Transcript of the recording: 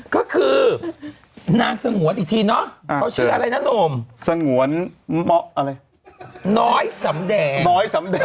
ก็คือนางสงวนอีกทีเนาะเขาชื่ออะไรนะหนุ่มสงวนอะไรน้อยสำแดงน้อยสำแดง